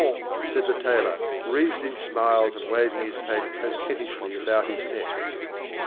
] "Precisément," said the tailor, wreathed in smiles and waving his tape coquettishly about his neck.